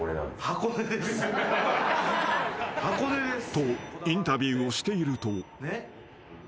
［とインタビューをしていると］